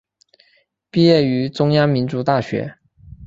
毕业于中央民族大学。